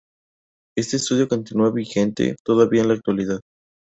Este estudio continúa vigente todavía en la actualidad.